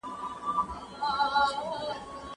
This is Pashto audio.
سمندري خواړه، په ځانګړې توګه سمندري صدف.